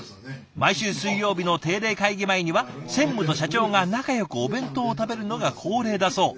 毎週水曜日の定例会議前には専務と社長が仲よくお弁当を食べるのが恒例だそう。